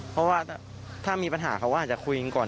เพราะว่าถ้ามีปัญหาเขาก็อาจจะคุยกันก่อน